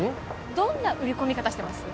どんな売り込み方してます？